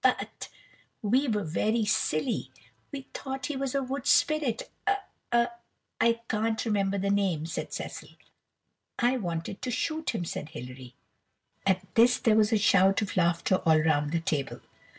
But we were very silly " "We thought he was a wood spirit a a I can't remember the name," said Cecil. "I wanted to shoot him," said Hilary. At this there was a shout of laughter all round the table.